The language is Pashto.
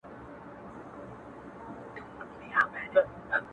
هو نور هم راغله په چکچکو ـ په چکچکو ولاړه ـ